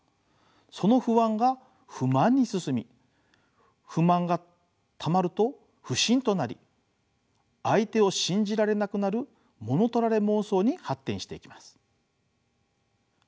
その不安が不満に進み不満がたまると不信となり相手を信じられなくなるものとられ妄想に発展していきます。